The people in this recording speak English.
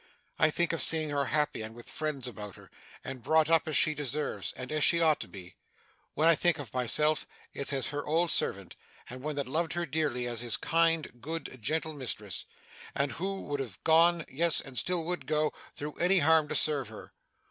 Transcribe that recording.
I think of seeing her happy, and with friends about her, and brought up as she deserves, and as she ought to be. When I think of myself, it's as her old servant, and one that loved her dearly, as his kind, good, gentle mistress; and who would have gone yes, and still would go through any harm to serve her.